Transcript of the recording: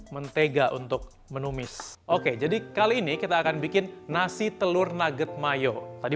mentega untuk menumis oke jadi kali ini kita akan bikin nasi telur nugget mayo tadi